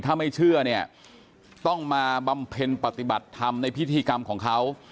ถ้าไม่เชื่อเนี่ยต้องมาบำเพ็ญปฏิบัติธรรมในพิธีกรรมของเขา